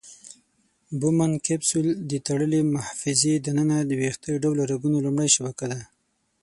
بومن کپسول د تړلې محفظې د ننه د ویښته ډوله رګونو لومړۍ شبکه ده.